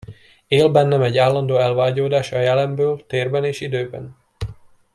Él bennem egy állandó elvágyódás a jelenből térben és időben.